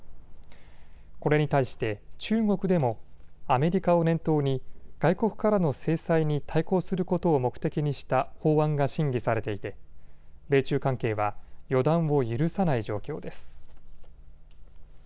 これに対して中国でもアメリカを念頭に外国からの制裁に対抗することを目的にした法案が審議されていて米中関係は予断を許さない状況です。